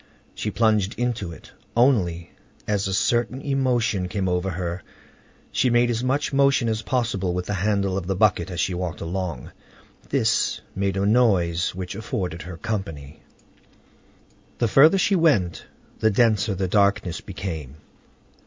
She plunged into it. Only, as a certain emotion overcame her, she made as much motion as possible with the handle of the bucket as she walked along. This made a noise which afforded her company. The further she went, the denser the darkness became.